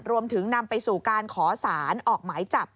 รวมถึงนำไปสู่การขอสารออกหมายจับ